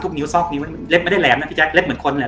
ทุกนิ้วซอกนิ้วเล็บไม่ได้แหลมไม่ได้ดำเล็บเหมือนคนเลย